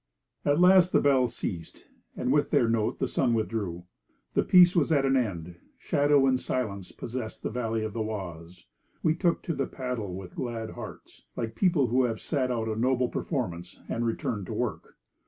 At last the bells ceased, and with their note the sun withdrew. The piece was at an end; shadow and silence possessed the valley of the Oise. We took to the paddle with glad hearts, like people who have sat out a noble performance and returned to work.